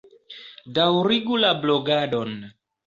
Daŭrigu la blogadon!